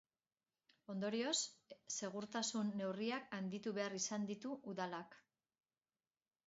Ondorioz, segurtasun neurriak handitu behar izan ditu udalak.